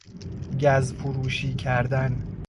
گز فروشی کردن